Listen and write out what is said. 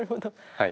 はい。